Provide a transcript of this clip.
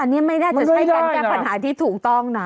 อันนี้ไม่น่าจะใช่การแก้ปัญหาที่ถูกต้องนะ